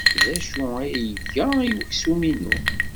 D acu ay iga i weksum-inu?